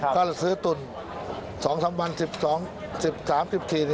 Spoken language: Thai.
ก็จะซื้อตุ่น๒๓วัน๑๐๓๐ที